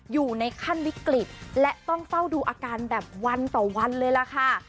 อยู่ในขั้นวิกฤตและต้องเฝ้าดูอาการแบบวันต่อวันเลยล่ะค่ะ